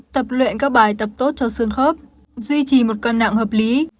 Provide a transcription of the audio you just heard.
tập luyện các bài tập tốt cho xương khớp duy trì một cân nặng hợp lý